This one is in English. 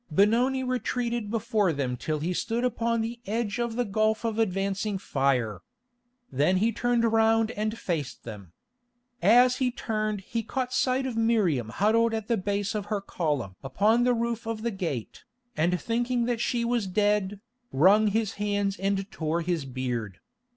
Benoni retreated before them till he stood upon the edge of the gulf of advancing fire. Then he turned round and faced them. As he turned he caught sight of Miriam huddled at the base of her column upon the roof of the gate, and thinking that she was dead, wrung his hands and tore his beard.